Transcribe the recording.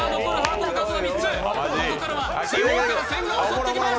ここからは四方から線が襲ってきます。